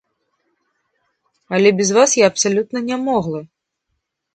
Але без вас я абсалютна нямоглы.